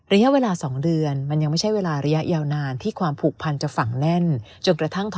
ระยะเวลาสองเดือนมันยังไม่ใช่เวลาระยะยาวนานที่ความผูกพันธุ์จะฝั่งแน่น